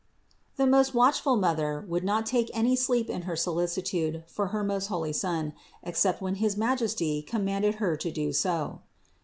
The most watch ful Mother would not take any sleep in her solicitude for her most holy Son, except when his Majesty commanded Her to do so.